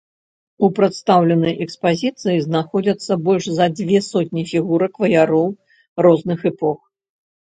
У прадстаўленай экспазіцыі знаходзяцца больш за дзве сотні фігурак ваяроў розных эпох.